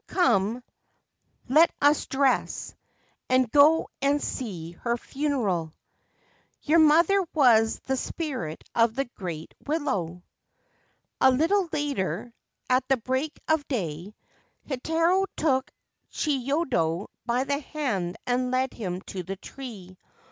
Come : let us dress, and go and see her funeral. Your mother was the spirit of the Great Willow/ A little later, at the break of day, Heitaro took Chiyodo by the hand and led him to the tree.